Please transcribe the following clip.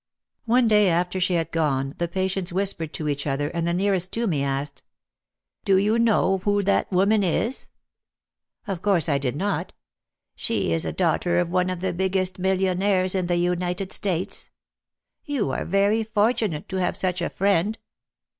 One day after she had gone the patients whispered to each other, and the nearest to me asked, "Do you know who that woman is ?" Of course I did not. "She is a daughter of one of the biggest millionaires in the United States. You are very fortunate to have such a friend."